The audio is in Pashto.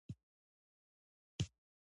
اصطخري خپل کتاب لیکلی دی.